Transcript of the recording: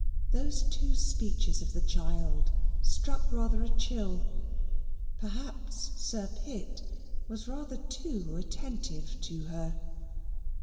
Those two speeches of the child struck rather a chill. Perhaps Sir Pitt was rather too attentive to her.